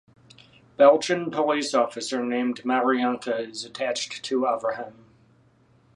Belgian police officer named Marianka is attached to Avraham.